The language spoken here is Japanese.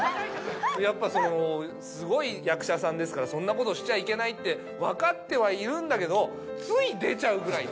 やっぱすごい役者さんですからそんなことしちゃいけないって分かってはいるんだけど。